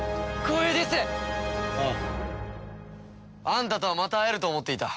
あんたとはまた会えると思っていた。